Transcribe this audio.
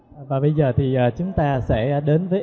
và bây giờ thì chúng ta sẽ đến với